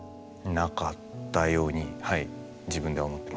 なかったようにはい自分では思ってます。